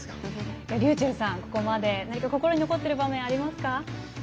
りゅうちぇるさん、ここまで何か心に残っている場面ありますか？